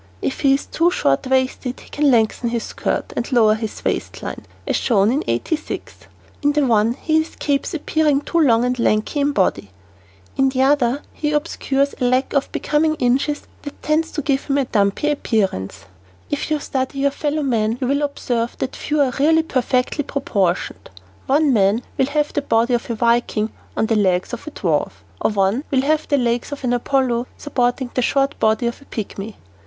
If he is too short waisted he can lengthen his skirt and lower his waist line, as shown in No. 86. In the one he escapes appearing too long and lanky in body, and in the other he obscures a lack of becoming inches that tends to give him a dumpy appearance. [Illustration: NO. 86] If you study your fellow men you will observe that few are really perfectly proportioned. One man will have the body of a viking on the legs of a dwarf, or one will have the legs of an Apollo supporting the short body of a pigmy.